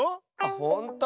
ほんと？